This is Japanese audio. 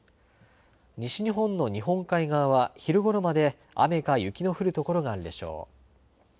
西日本の日本海側は昼ごろまで雨か雪の降る所があるでしょう。